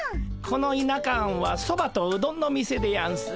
この田舎庵はそばとうどんの店でやんす。